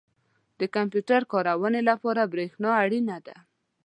• د کمپیوټر کارونې لپاره برېښنا اړینه ده.